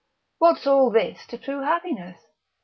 what's all this to true happiness?